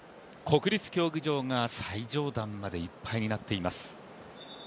国立競技場が最上段までいっぱいになっています。